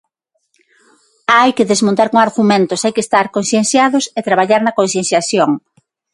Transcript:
Hai que desmontar con argumentos, hai que estar concienciados e traballar na concienciación.